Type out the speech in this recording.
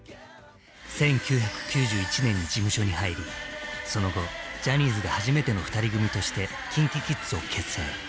１９９１年に事務所に入りその後ジャニーズで初めての２人組としてＫｉｎＫｉＫｉｄｓを結成。